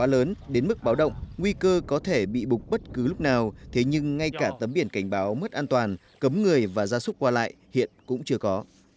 hồ chứa có thể bị bục bất cứ lúc nào thế nhưng ngay cả tấm biển cảnh báo mất an toàn cấm người và gia súc qua lại hiện cũng chưa có